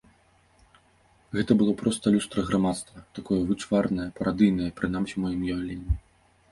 Гэта было проста люстра грамадства, такое вычварнае, парадыйнае, прынамсі, у маім уяўленні.